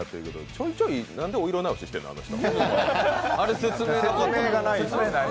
ちょいちょい、なんでお色直ししてるの？